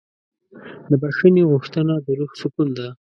د بښنې غوښتنه د روح سکون ده.